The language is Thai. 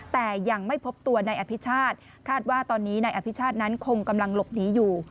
แต่ยังไม่พบตัวนายอภิชาติคาดว่าตอนนี้นายอภิชาตินั้นคงกำลังหลบหนีอยู่